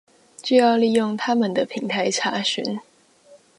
就要利用它們的平台查詢